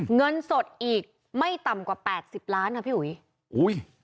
เงินสดอีกไม่ต่ำกว่า๘๐ล้านครับพี่หุย